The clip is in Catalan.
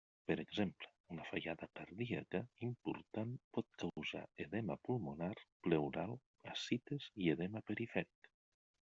Per exemple, una fallada cardíaca important pot causar edema pulmonar, pleural, ascites i edema perifèric.